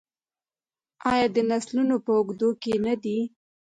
آیا د نسلونو په اوږدو کې نه دی؟